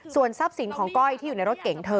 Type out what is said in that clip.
ส่วนทรัพย์สินของก้อยที่อยู่ในรถเก๋งเธอ